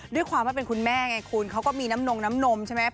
ด้วยความว่าเป็นคุณแม่ไงคุณเขาก็มีน้ำนมน้ำนมใช่ไหม